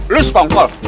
lo setengah pol